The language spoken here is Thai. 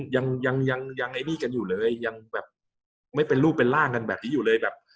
ยังยังไอ้นี่กันอยู่เลยยังแบบไม่เป็นรูปเป็นร่างกันแบบนี้อยู่เลยแบบ